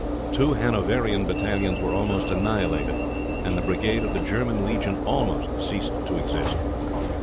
Two Hanoverian battalions were almost annihilated, the brigade of the German legion almost ceased to exist.